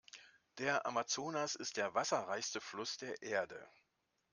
Der Amazonas ist der Wasserreichste Fluss der Erde.